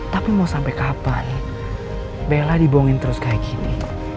tapi mau sampai kapan bella dibohongin terus kayak gini